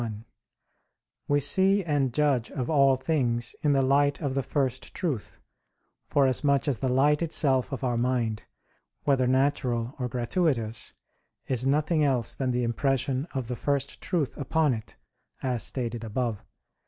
1: We see and judge of all things in the light of the first truth, forasmuch as the light itself of our mind, whether natural or gratuitous, is nothing else than the impression of the first truth upon it, as stated above (Q.